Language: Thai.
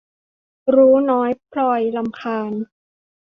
รู้น้อยพลอยรำคาญ